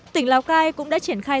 tỉnh lào cai cũng đã triển khai